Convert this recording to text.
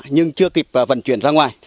nhưng chưa kịp vận chuyển ra ngoài